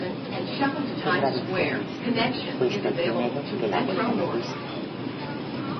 Su traducción es: "Fuiste el primero que la vuelta me diste".